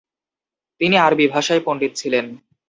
তিনি আরবি ভাষায় পণ্ডিত ছিলেন।